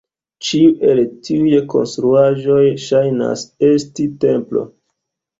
Ĉiu el tiuj konstruaĵoj ŝajnas esti templo.